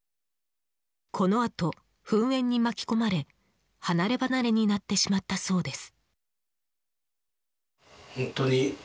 このあと、噴煙に巻き込まれ離れ離れになってしまったそうです。